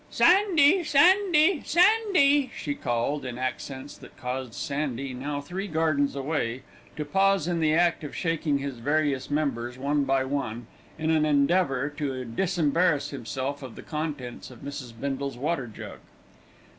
"Sandy, Sandy, Sandy, Sandy," she called, in accents that caused Sandy, now three gardens away, to pause in the act of shaking his various members one by one, in an endeavour to disembarrass himself of the contents of Mrs. Bindle's water jug.